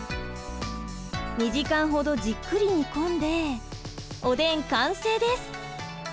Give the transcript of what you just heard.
２時間程じっくり煮込んでおでん完成です。